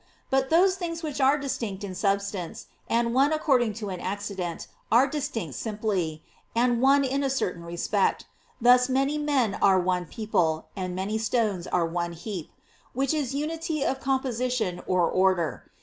But those things which are distinct in substance, and one according to an accident, are distinct simply, and one in a certain respect: thus many men are one people, and many stones are one heap; which is unity of composition or order.